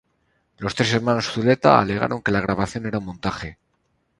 Los Hermanos Zuleta alegaron que la grabación era un montaje.